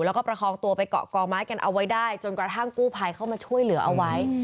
แล้วก็ประคองตัวไปเกาะกองไม้กันเอาไว้ได้จนกระทั่งกู้ภัยเข้ามาช่วยเหลือเอาไว้